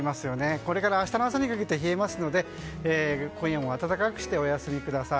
これから明日の朝にかけて冷えますので今夜も温かくしてお休みください。